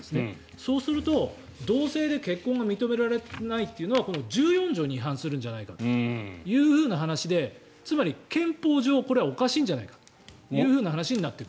そうすると同性で結婚が認められないというのはこの１４条に違反するんじゃないかという話でつまり憲法上これはおかしいんじゃないかという話になってくる。